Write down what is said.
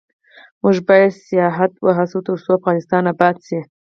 موږ باید سیاحت هڅوو ، ترڅو افغانستان اباد شي.